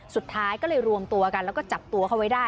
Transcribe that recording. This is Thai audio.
สุดท้ายก็เลยรวมตัวกันแล้วก็จับตัวเขาไว้ได้